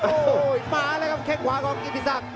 โอ้โหมาแล้วครับแค่งขวาของกิติศักดิ